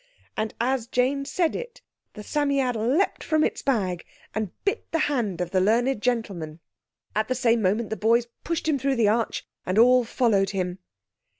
And as Jane said it the Psammead leaped from its bag and bit the hand of the learned gentleman. At the same moment the boys pushed him through the arch and all followed him.